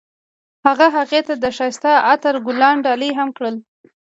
هغه هغې ته د ښایسته عطر ګلان ډالۍ هم کړل.